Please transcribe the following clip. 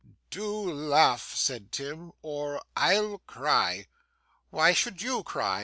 'Do laugh,' said Tim, 'or I'll cry.' 'Why should you cry?